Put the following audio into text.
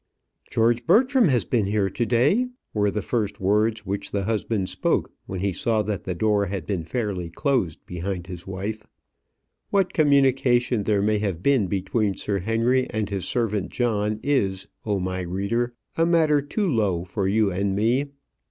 "George Bertram has been here to day?" were the first words which the husband spoke when he saw that the door had been fairly closed behind his wife. What communication there may have been between Sir Henry and his servant John is, oh my reader, a matter too low for you and me.